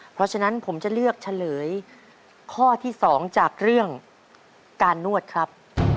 เพราะฉะนั้นผมจะเลือกเฉลยข้อที่๒จากเรื่องการนวดครับ